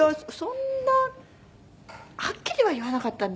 そんなはっきりは言わなかったんですけど。